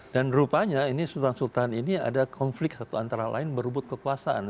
dan rupanya ini sultan sultan ini ada konflik satu antara lain berubut kekuasaan